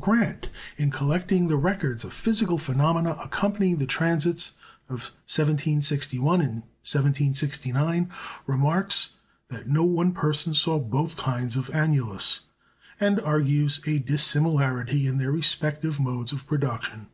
Grant, in collecting the records of physical phenomena accompanying the transits of 1761 and 1769, remarks that no one person saw both kinds of annulus, and argues a dissimilarity in their respective modes of production.